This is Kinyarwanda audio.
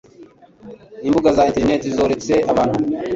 Imbuga za interineti zoretse abubu